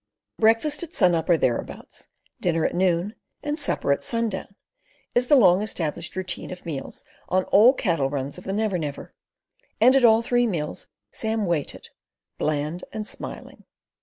Breakfast at sun up or thereabouts, dinner at noon and supper at sun down, is the long established routine of meals on all cattle runs of the Never Never, and at all three meals Sam waited, bland and smiling.